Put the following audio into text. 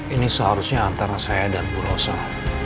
ini seharusnya antara saya dan bu rosa